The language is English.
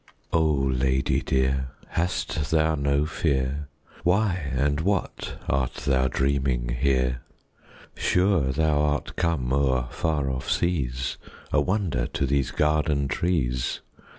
Oh, lady dear, hast thou no fear? Why and what art thou dreaming here? Sure thou art come o'er far off seas, A wonder to these garden trees!